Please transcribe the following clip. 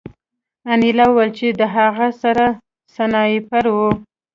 انیلا وویل چې د هغه سره سنایپر و